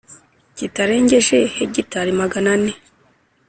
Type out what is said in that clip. kitarengeje hegitari magana ane